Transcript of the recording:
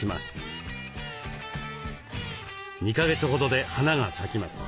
２か月ほどで花が咲きます。